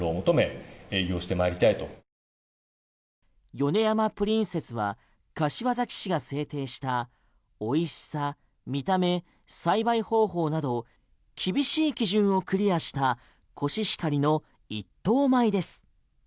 米山プリンセスは柏崎市が制定した、美味しさ見た目、栽培方法などを厳しい基準をクリアしたコシヒカリの一等米です。